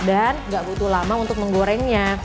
dan nggak butuh lama untuk menggorengnya